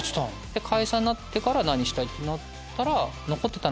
解散になってから何したい？ってなったら。